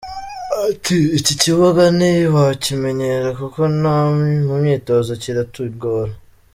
Ati “iki kibuga ntiwakimenyera kuko no mu myitozo kiratugora”.